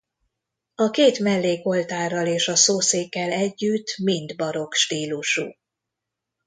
A két mellékoltárral és a szószékkel együtt mind barokk stílusú.